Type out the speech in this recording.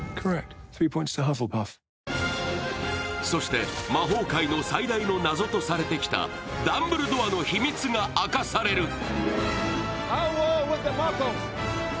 そして、魔法界の最大の謎とされてきたダンブルドアの秘密が明かされる。